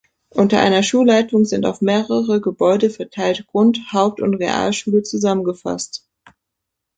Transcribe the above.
Unter einer Schulleitung sind, auf mehrere Gebäude verteilt, Grund-, Haupt- und Realschule zusammengefasst.